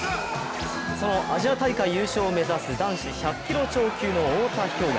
そのアジア大会優勝を目指す男子１００キロ超級の太田彪雅。